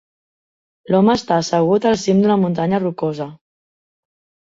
L"home està assegut al cim d"una muntanya rocosa.